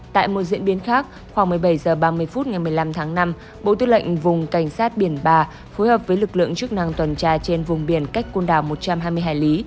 tại một diễn biến khác khoảng một mươi bảy h ba mươi phút ngày một mươi năm tháng năm bộ tư lệnh vùng cảnh sát biển ba phối hợp với lực lượng chức năng tuần tra trên vùng biển cách côn đảo một trăm hai mươi hải lý